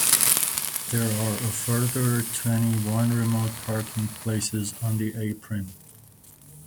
There are a further twenty-one remote parking places on the apron.